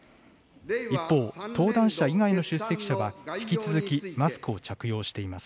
一方、登壇者以外の出席者は、引き続きマスクを着用しています。